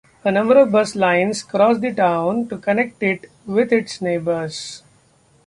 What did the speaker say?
A number of bus lines cross the town to connect it with its neighbours.